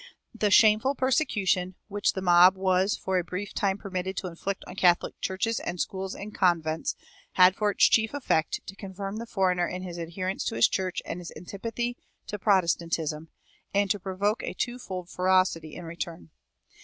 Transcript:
The shameful persecution which the mob was for a brief time permitted to inflict on Catholic churches and schools and convents had for its chief effect to confirm the foreigner in his adherence to his church and his antipathy to Protestantism, and to provoke a twofold ferocity in return.